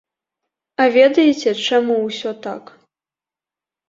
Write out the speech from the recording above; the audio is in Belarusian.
А ведаеце, чаму ўсё так?